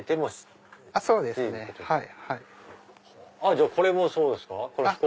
じゃあこれもそうですか？